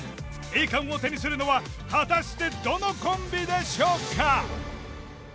栄冠を手にするのは果たしてどのコンビでしょうか？